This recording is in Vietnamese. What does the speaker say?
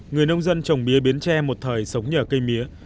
người nông dân trồng mía biến tre một thời sống nhờ cây mía